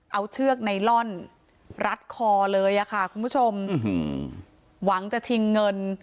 เอาเชือกไนลอนรัดคอเลยอะค่ะคุณผู้ชมหวังจะชิงเงิน